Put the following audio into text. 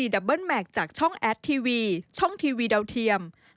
ดับเบิ้แมคจากช่องแอดทีวีช่องทีวีดาวเทียม